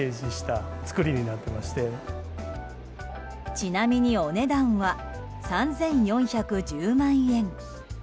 ちなみにお値段は３４１０万円。